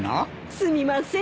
すみません。